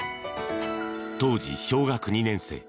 当時、小学２年生。